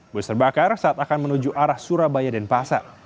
bus terbakar saat akan menuju arah surabaya dan pasar